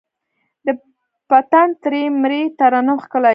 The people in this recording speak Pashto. د پتڼ ترۍ، مرۍ ترنم ښکلی